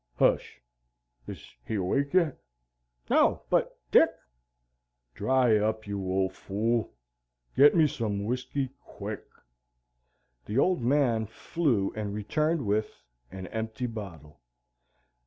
"Hush! Is he awake yet?" "No, but, Dick? " "Dry up, you old fool! Get me some whiskey QUICK!" The Old Man flew and returned with an empty bottle!